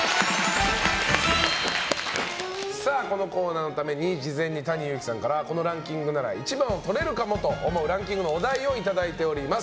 このコーナーのために、事前にＴａｎｉＹｕｕｋｉさんからこのランキングなら１番をとれるかもと思うランキングのお題をいただいております。